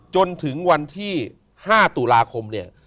จนถึงวันที่๕ตุลาคมเนี่ย